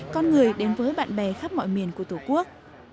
con người đến với bạn bè khắp mọi miền của tổ quốc